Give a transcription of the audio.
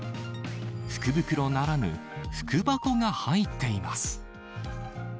福袋ならぬ、福箱が入っています。